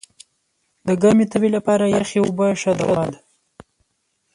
د ګرمي تبي لپاره یخي اوبه ښه دوا ده.